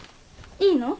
いいの？